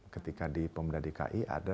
ketika di pemda dki ada